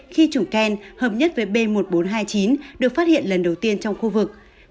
khi chủng ken hợp nhất với b một nghìn bốn trăm hai mươi chín được phát hiện lần đầu tiên trong khu vực